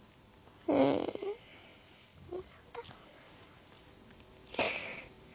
うん何だろうな。